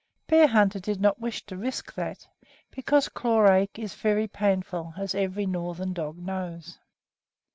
Bearhunter did not wish to risk that, because "claw ache" is very painful, as every northern dog knows.